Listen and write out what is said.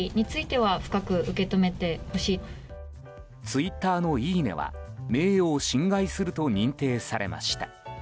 ツイッターのいいねは名誉を侵害すると認定されました。